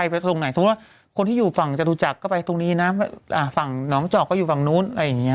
ไปไปตรงไหนทุกคนที่อยู่ฝั่งจตุจักรก็ไปตรงนี้นะฝั่งหนองเจาะก็อยู่ฝั่งนู้นอะไรอย่างเงี้ย